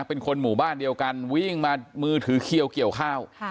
เป็นคนหมู่บ้านเดียวกันวิ่งมามือถือเคี้ยวเกี่ยวข้าว